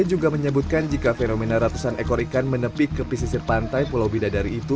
juga menyebutkan jika fenomena ratusan ekor ikan menepik ke pesisir pantai pulau bidadari itu